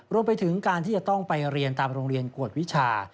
รวมไปถึงการที่จะต้องไปเรียนตามโรงเรียนกวดวิชา